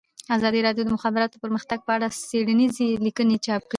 ازادي راډیو د د مخابراتو پرمختګ په اړه څېړنیزې لیکنې چاپ کړي.